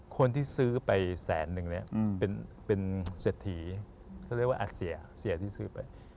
คนที่ซื้อไปแสนนึงเนี่ยเป็นเศรษฐีเขาเรียกว่าเสียที่ซื้อไป